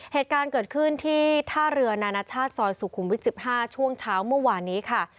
เหตุการณ์เกิดขึ้นที่ท่าเรือนานาชาติซอยสุขุมวิท๑๕ช่วงเช้าเมื่อวานนี้ค่ะ